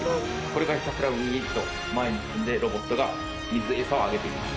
これがひたすらウイーンと前に進んでロボットが水エサをあげていきます。